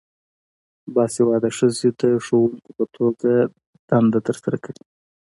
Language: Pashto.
باسواده ښځې د ښوونکو په توګه دنده ترسره کوي.